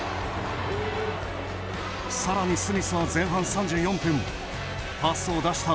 さらにスミスは前半３４分パスを出した